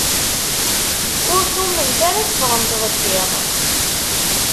Ur nnument ara tteffɣent deg iḍ.